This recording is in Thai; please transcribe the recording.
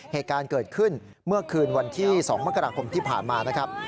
เหตุการณ์เกิดขึ้นเมื่อคืนวันที่๒มกราคมที่ผ่านมานะครับ